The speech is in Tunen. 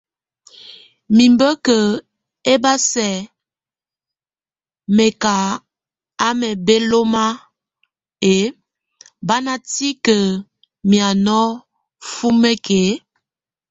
Nímbeke e bá sɛk mɛ́ kʼ amɛ béloŋa e, bá na tike miaŋó funek e.